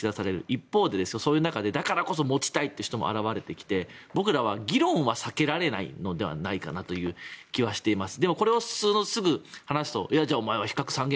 一方でそういう中でだからこそ持ちたいという人も現れて僕らは議論は避けられないのではないのかなという気はしています